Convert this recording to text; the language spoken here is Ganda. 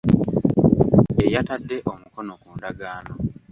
Ye yatade omukono ku ndagaano